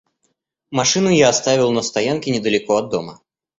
Машину я оставил на стоянке недалеко от дома.